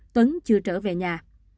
tuấn chưa trở về nhà